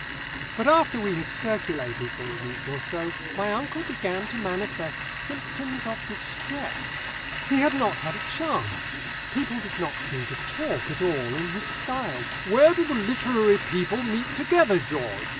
But after we had circulated for a week or so, my uncle began to manifest symptoms of distress. He had not had a chance. People did not seem to talk at all in his style. "Where do the literary people meet together, George?